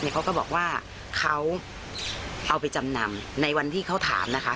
เขาก็บอกว่าเขาเอาไปจำนำในวันที่เขาถามนะคะ